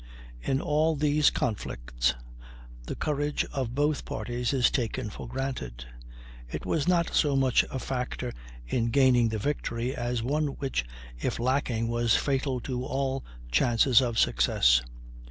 In all these conflicts the courage of both parties is taken for granted: it was not so much a factor in gaining the victory, as one which if lacking was fatal to all chances of success.